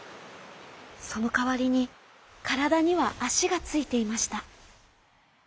そのかわりにからだにはあしがついていました。